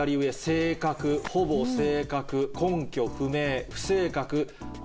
「正確ほぼ正確根拠不明不正確誤り」。